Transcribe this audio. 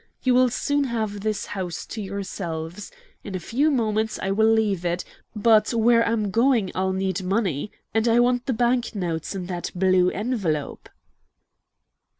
You will soon have this house to yourselves. In a few moments I will leave it, but where I am going I'll need money, and I want the bank notes in that blue envelope."